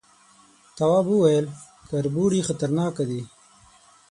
تواب وويل، کربوړي خطرناکه دي.